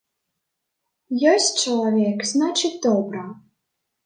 Ёсць чалавек, значыць, добра.